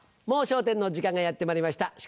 『もう笑点』の時間がやってまいりました。